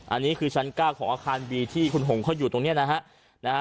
อันนี้คือชั้น๙ของอาคารบีที่คุณหงเขาอยู่ตรงนี้นะฮะ